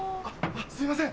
すいません。